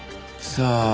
さあ。